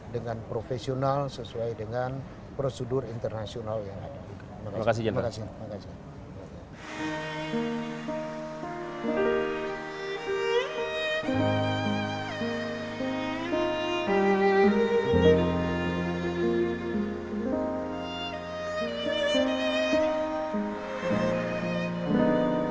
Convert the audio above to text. dengan profesional sesuai dengan prosedur internasional yang ada